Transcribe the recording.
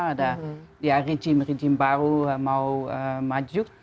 ada ya rejim rejim baru mau maju